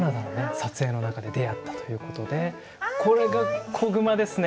撮影の中で出会ったということでこれが子グマですね。